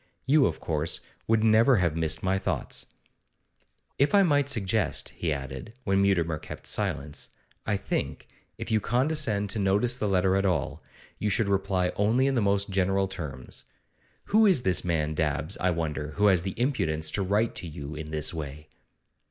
You, of course, would never have missed my thoughts.' 'If I might suggest,' he added, when Mutimer kept silence, I think, if you condescend to notice the letter at all, you should reply only in the most general terms. Who is this man Dabbs, I wonder, who has the impudence to write to you in this way?